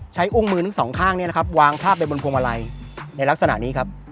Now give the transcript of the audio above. ใช้อุ้งมือทั้ง๒ข้างวางทาบไปบนพวงมาลัย